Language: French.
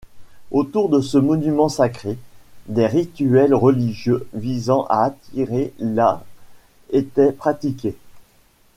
Autour de ce monument sacré, des rituels religieux visant à attirer la étaient pratiqués.